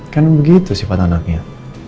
kan begitu sifat anaknya